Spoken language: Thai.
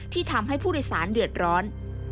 ทำให้ผู้โดยสารเดือดร้อน